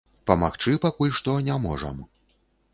Памагчы пакуль што не можам.